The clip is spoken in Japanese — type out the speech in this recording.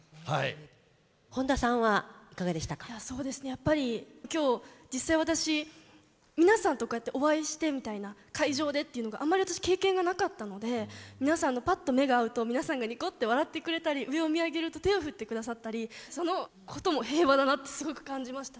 やっぱり今日実際私皆さんとこうやってお会いしてみたいな会場でっていうのがあんまり私経験がなかったので皆さんのパッと目が合うと皆さんがニコッて笑ってくれたり上を見上げると手を振って下さったりそのことも平和だなってすごく感じましたし